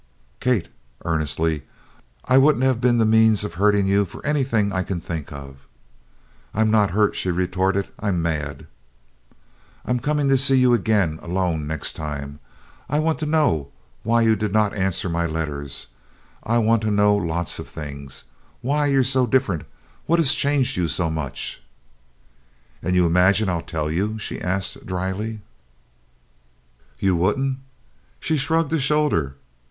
"Kate," earnestly, "I wouldn't have been the means of hurting you for anything I can think of." "I'm not hurt," she retorted, "I'm mad." "I'm coming to see you again alone, next time. I want to know why you did not answer my letters I want to know lots of things why you're so different what has changed you so much." "And you imagine I'll tell you?" she asked dryly. "You wouldn't?" She shrugged a shoulder.